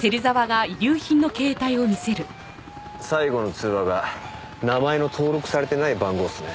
最後の通話が名前の登録されてない番号っすね。